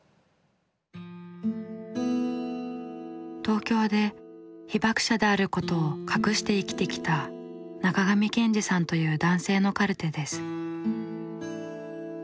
東京で被爆者であることを隠して生きてきた中上賢治さんという男性のカルテです。